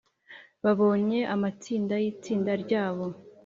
babonye amatsinda yitsinda ryabo